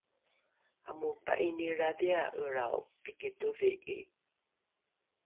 amopa’inilradhia’elrao piki todhi’i